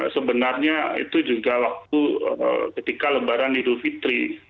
sebenarnya itu juga waktu ketika lebaran idul fitri